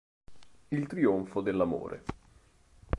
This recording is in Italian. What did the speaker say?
Il trionfo dell'amore